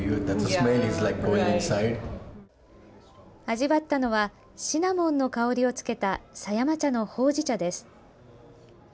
味わったのは、シナモンの香りを付けた狭山茶のほうじ茶です。